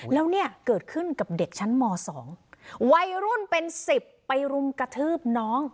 แล้วเนี่ยเกิดขึ้นกับเด็กชั้นม๒วัยรุ่นเป็น๑๐ไปรุมกระทืบน้อง